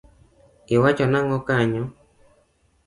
Iwacho nango kanyo.